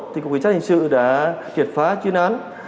thì cục hình sự bộ ngoan đã đệt phá chuyên án